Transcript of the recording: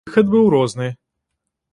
І выхад быў розны.